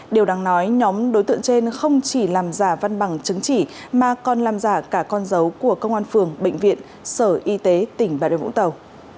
điều đáng nói nhóm đối tượng trên không chỉ làm giả văn bằng chứng chỉ mà còn làm giả cả con dấu của công an phường bệnh viện sở y tế tỉnh bà điều vũng tàu